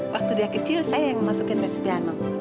waktu dia kecil saya yang memasukin lesbiano